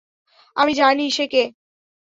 আমি জানি কে সে।